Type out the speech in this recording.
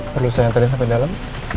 perlu saya terin sampai dalam